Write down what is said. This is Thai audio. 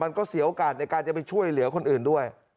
มันก็เสียโอกาสในการจะไปช่วยเหลือคนอื่นด้วย